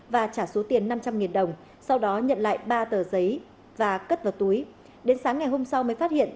và trả số tiền năm trăm linh đồng sau đó nhận lại ba tờ giấy và cất vào túi đến sáng ngày hôm sau mới phát hiện